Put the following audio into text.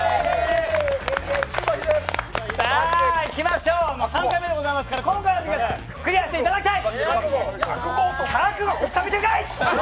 さあいきましょう、３回目でございますから今回はクリアしていただきたい！